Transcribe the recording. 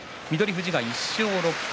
富士は１勝６敗